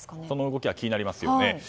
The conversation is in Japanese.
その動きは気になりますよね。